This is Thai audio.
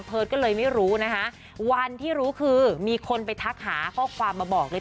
ก็เลยไม่รู้นะคะวันที่รู้คือมีคนไปทักหาข้อความมาบอกเลย